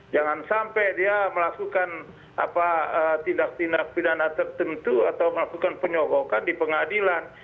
jangan sampai dia melakukan tindak tindak pidana tertentu atau melakukan penyogokan di pengadilan